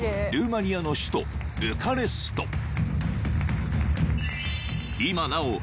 ルーマニアの首都ブカレスト